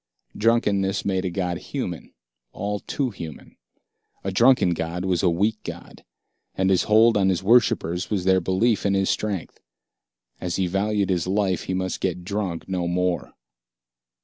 Drunkenness made a god human, all too human. A drunken god was a weak god, and his hold on his worshippers was their belief in his strength. As he valued his life, he must get drunk no more.